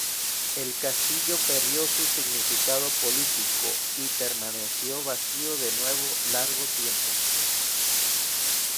El castillo perdió su significado político y permaneció vacío de nuevo largo tiempo.